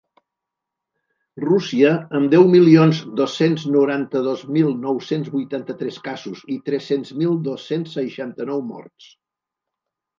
Rússia, amb deu milions dos-cents noranta-dos mil nou-cents vuitanta-tres casos i tres-cents mil dos-cents seixanta-nou morts.